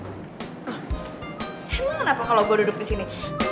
emang kenapa kalo gue duduk disini